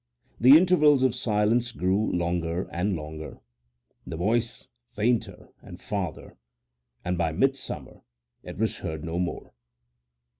The intervals of silence grew longer and longer, the voice fainter and farther, and by midsummer it was heard no more.